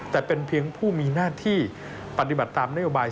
แต่เป็นเพียงผู้มีหน้าที่ปฏิบัติตามนโยบาย